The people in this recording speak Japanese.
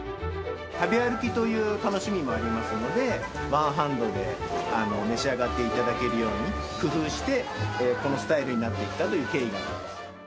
食べ歩きという楽しみもありますので、ワンハンドで召し上がっていただけるように工夫して、このスタイルになっていったという経緯があります。